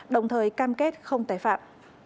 đồng thời cam kết không tái phạm